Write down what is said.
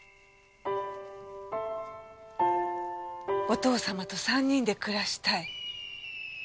お父様と３人で暮らしたい。